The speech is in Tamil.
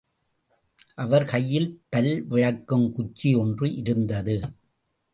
அவர் கையில் பல் விளக்கும் குச்சி ஒன்று இருந்தது.